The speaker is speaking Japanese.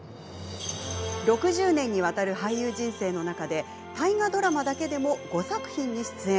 ６０年にわたる俳優人生の中で大河ドラマだけでも５作品に出演。